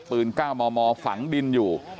ปืนก้าวมมฝังดินอยู่